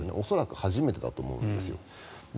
恐らく初めてだと思うんですよ。